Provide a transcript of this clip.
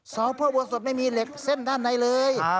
สอบพระบัวสดไม่มีเหล็กเส้นด้านในเลย